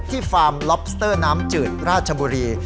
ฟาร์มล็อบสเตอร์น้ำจืดราชบุรี